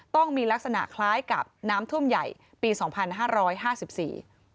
ต้องมีลักษณะคล้ายกับน้ำท่วมใหญ่ปีสองพันห้าร้อยห้าสิบสี่